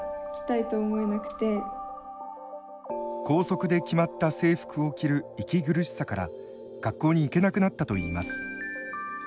校則で決まった制服を着る息苦しさから学校に行けなくなったといいます。